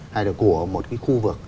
hay là của một cái khu vực